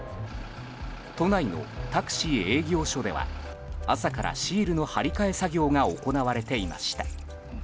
都内のタクシー営業所では朝からシールの貼り替え作業が行われていました。